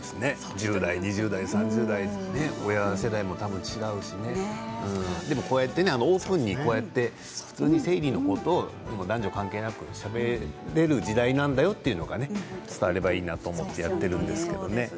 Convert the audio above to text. １０代、２０代、３０代親の世代も多分違うだろうしでもこうやってオープンに普通に生理のことを男女関係なくしゃべれる時代なんだよというのが伝わればいいなと思ってやっているんですけれどね。